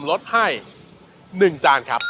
การตอบคำถามแบบไม่ตรงคำถามนะครับ